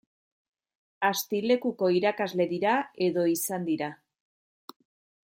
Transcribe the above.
Asti-Lekuko irakasle dira edo izan dira.